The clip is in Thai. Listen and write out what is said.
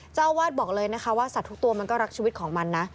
เจ้าอาวาสบอกเลยนะคะว่าสัตว์ทุกตัวมันก็รักชีวิตของมันนะ